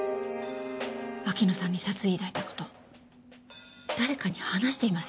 秋野さんに殺意抱いた事誰かに話していませんか？